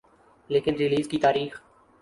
لیکن ریلیز کی تاریخ